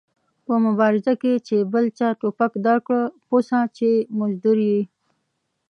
په مبارزه کې چې بل چا ټوپک درکړ پوه سه چې مزدور ېې